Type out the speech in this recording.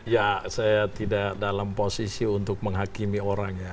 ya saya tidak dalam posisi untuk menghakimi orang ya